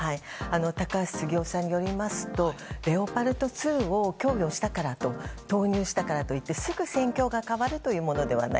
高橋杉雄さんによりますとレオパルト２を供与したから投入したからといってすぐ戦況が変わるというものではない。